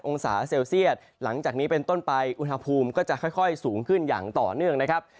องศาเซลเซียตหลังจากนี้เป็นต้นไปอุณหภูมิก็จะค่อยสูงขึ้นอย่างต่อเนื่องนะครับ